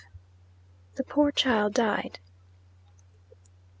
"THE POOR CHILD DIED."